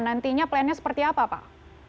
nantinya plannya seperti apa pak